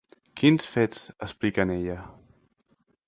Quins fets explica en ella?